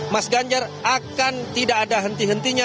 mas ganjar akan tidak ada henti hentinya